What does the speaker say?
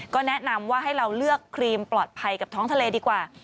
ก็แนะนำว่าให้เราเลือกครีมปลอดภัยกับท้องทะเลดีกว่า